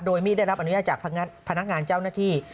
โดยไม่ได้รับอนุญาตจากพนักงานเจ้าหน้าที่